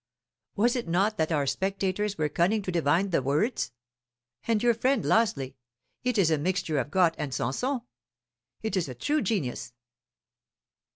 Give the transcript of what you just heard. Was it not that our spectators were cunning to divine the words? And your friend Lawsley it is a mixture of Got and Sanson. It is a true genius.